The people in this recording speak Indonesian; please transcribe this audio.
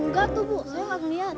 enggak tuh bu saya gak ngelihat